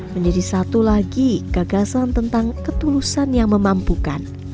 menjadi satu lagi gagasan tentang ketulusan yang memampukan